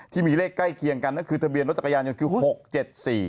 ที่มีเลขใกล้เคียงกันก็คือทะเบียนรถจักรยานยนต์คือ๖๗๔